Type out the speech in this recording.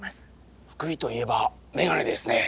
福井といえば眼鏡ですね。